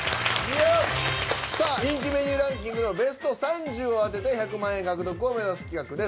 人気メニューランキングのベスト３０を当てて１００万円獲得を目指す企画です。